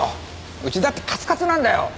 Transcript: うちだってカツカツなんだよ。